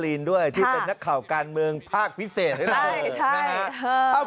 เปิดตัวภาพยนตร์เรื่องมานศวง